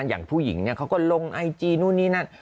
อย่างผู้หญิงเขาก็ลงไอจีนู่นนี่นั่น